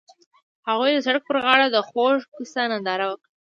هغوی د سړک پر غاړه د خوږ کوڅه ننداره وکړه.